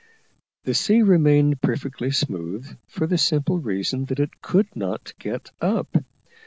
The sea remained perfectly smooth, for the simple reason that it could not get up.